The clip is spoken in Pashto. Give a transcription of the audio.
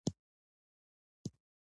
لیکوال په همدې شتمنۍ ویاړي.